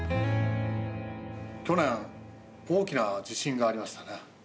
去年大きな地震がありましたね。